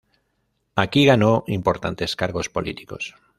Aquí, ganó importantes cargos políticos.